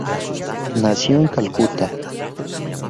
Nació en Calcuta.